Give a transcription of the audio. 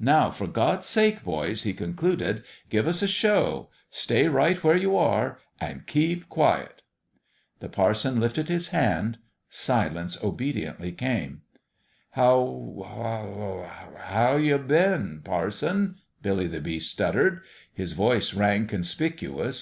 Now, for God's sake, boys," he concluded, " give us a show ! Stay right where you are and keep quiet" The parson lifted his hand. Silence obedi ently came. 308 A MIRACLE at PALE PETER'S " How h h how ye been, parson ?" Billy the Beast stuttered. His voice rang conspicuous.